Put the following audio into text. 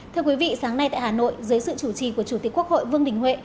thưa quý vị sáng nay tại hà nội dưới sự chủ trì của chủ tịch quốc hội vương đình huệ